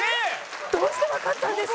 どうしてわかったんですか？